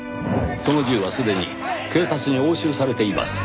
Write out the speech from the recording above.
その銃はすでに警察に押収されています。